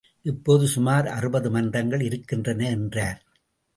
இப்போது சுமார் அறுபது மன்றங்கள் இருக்கின்றன என்றார்.